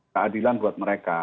keadilan buat mereka